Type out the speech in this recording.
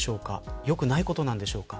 よくないことなんでしょうか。